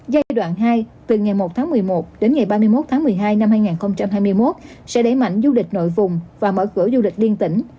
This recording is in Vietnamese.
giai đoạn hai từ ngày một tháng một mươi một đến ngày ba mươi một tháng một mươi hai năm hai nghìn hai mươi một sẽ đẩy mạnh du lịch nội vùng và mở cửa du lịch liên tỉnh